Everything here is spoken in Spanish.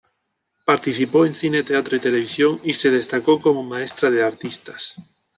Participó en cine, teatro y televisión y se destacó como maestra de artistas.